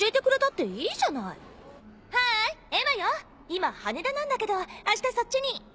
今羽田なんだけどあしたそっちに。